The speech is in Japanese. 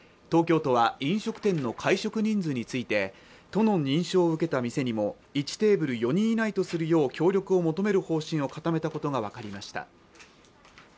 東京都は飲食店の会食人数について都の認証を受けた店にも１テーブル４人以内とするよう協力を求める方針を固めたことが分かりました